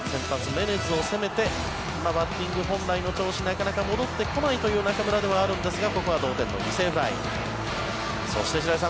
メネズを攻めて今、バッティング本来の調子がなかなか戻ってこないという中村ではあるんですがここは同点の犠牲フライ。